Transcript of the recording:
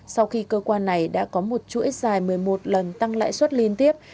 sau khi cơ quan này đã có một chuỗi dài một mươi một lần tăng lãi suất liên tiếp